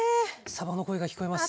さばの声が聞こえます。